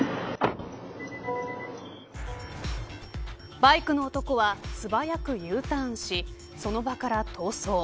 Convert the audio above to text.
バイクの男は素早くＵターンしその場から逃走。